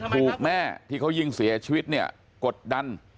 ถูกแม่ที่เขายิงเสียชีวิตเนี่ยกดดัน